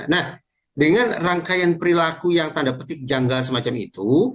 nah dengan rangkaian perilaku yang tanda petik janggal semacam itu